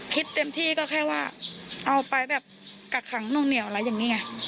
คิดเต็มที่ก็แค่ว่าเอาไปแบบกักขังนวงเหนียวอะไรอย่างนี้ไง